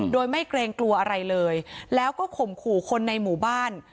โดยไม่เกรงกลัวอะไรเลยแล้วก็ข่มขู่คนในหมู่บ้าน